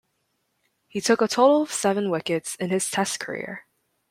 He took a total of seven wickets in his Test career.